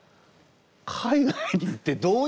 海外に行ってどういう。